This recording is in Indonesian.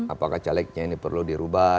apakah calegnya ini perlu dirubah